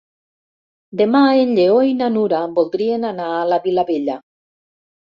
Demà en Lleó i na Nura voldrien anar a la Vilavella.